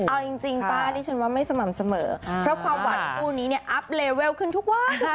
เอาจริงป้าดิฉันว่าไม่สม่ำเสมอเพราะความหวานของคู่นี้เนี่ยอัพเลเวลขึ้นทุกวัน